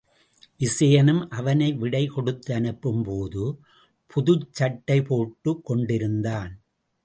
விசயனும் அவனை விடை கொடுத்தனுப்பும்போது புதுச் சட்டை போட்டுக் கொண்டிருந்தான்.